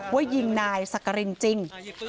ว่ายิงนายสักกรินจริง